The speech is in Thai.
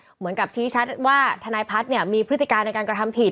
เหมือนกับชี้ชัดว่าทนายพัฒน์มีพฤติการในการกระทำผิด